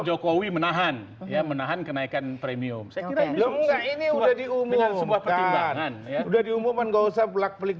jokowi menahan ya menahan kenaikan premium ini udah diumumkan sudah diumumkan gak usah pelik